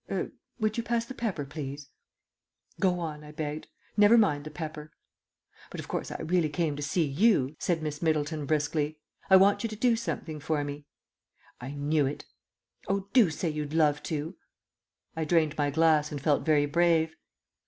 Er would you pass the pepper, please?" "Go on," I begged. "Never mind the pepper." "But, of course, I really came to see you," said Miss Middleton briskly. "I want you to do something for me." "I knew it." "Oh, do say you'd love to." I drained my glass and felt very brave.